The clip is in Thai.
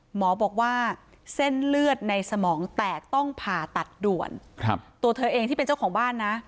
หมอบอกว่าเส้นเลือดในสมองแตกต้องผ่าตัดด่วนตัวเธอเองที่เป็นเจ้าของบ้านนะ